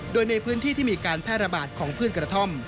โดยในพื้นที่ที่มีการแพร่ระบาดของพืชกระท่อม